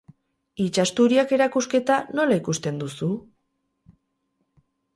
Itsasturiak erakusketa, nola ikusten duzu?